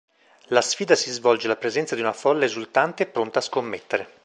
La sfida si svolge alla presenza di una folla esultante e pronta a scommettere.